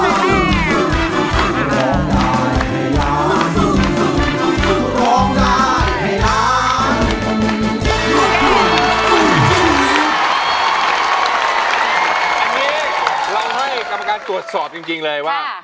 อันนี้เราให้กรรมการตรวจสอบจริงเลยว่า